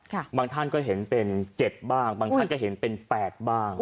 บางท่านก็เห็นเป็นเจ็ดบ้างบางท่านก็เห็นเป็นแปดบ้าง